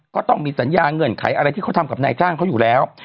ก็ต้องมีสัญญาเงื่อนไขอะไรที่เขาทำกับนายจ้างเขาอยู่แล้ว